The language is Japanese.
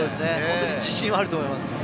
自信があると思います。